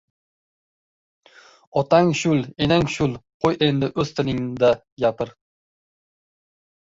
Otang shul, enang shul, qo‘y endi, o‘z tilingda gapir.